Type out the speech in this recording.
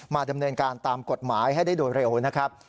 ดำเนินการตามกฎหมายให้ได้โดยเร็วนะครับ